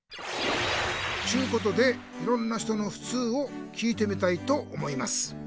ちゅうことでいろんな人のふつうを聞いてみたいと思います。